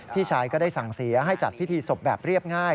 พี่ชายก็ได้สั่งเสียให้จัดพิธีศพแบบเรียบง่าย